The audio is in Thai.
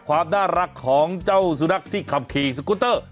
ความน่ารักของเจ้าสุนัขที่ขับขี่สกุตเตอร์